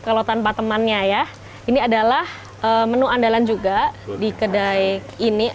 kalau tanpa temannya ya ini adalah menu andalan juga di kedai ini